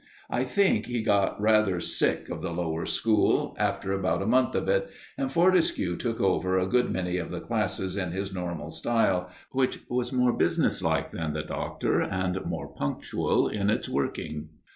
I think he got rather sick of the Lower School after about a month of it, and Fortescue took over a good many of the classes in his normal style, which was more business like than the Doctor and more punctual in its working.